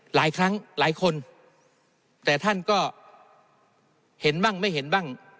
หลายครั้งหลายคนแต่ท่านก็เห็นบ้างไม่เห็นบ้าง